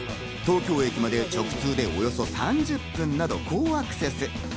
東京駅まで直通でおよそ３０分など、好アクセス。